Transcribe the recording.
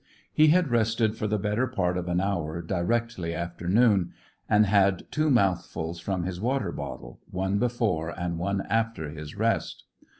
He had rested for the better part of an hour directly after noon, and had two mouthfuls from his water bottle, one before and one after his rest.